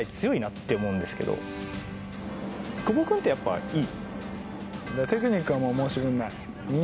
久保君ってやっぱりいい？